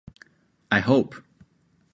I hope.